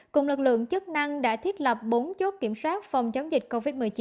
cùng lực lượng chức năng đã thiết lập bốn chốt kiểm soát phòng chống dịch covid một mươi chín